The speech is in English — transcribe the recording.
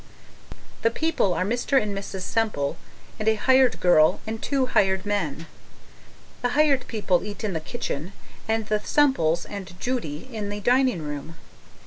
The people are Mr. and Mrs. Semple and a hired girl and two hired men. The hired people eat in the kitchen, and the Semples and Judy in the dining room.